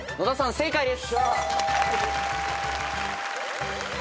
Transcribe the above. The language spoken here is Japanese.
正解です。